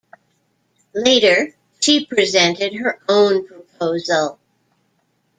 Later, she presented her own proposal.